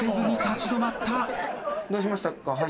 どうしましたか？